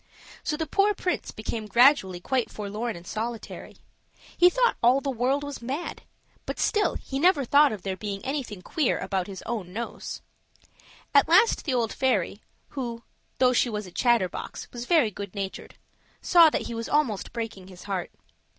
So the poor prince became gradually quite forlorn and solitary; he thought all the world was mad, but still he never thought of there being anything queer about his own nose. At last the old fairy, who, though she was a chatterbox, was very good natured; saw that he was almost breaking his heart.